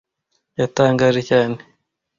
Yatangaje cyane.